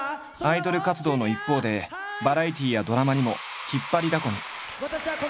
アイドル活動の一方でバラエティーやドラマにも引っ張りだこに。